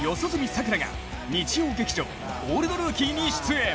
さくらが日曜劇場「オールドルーキー」に出演。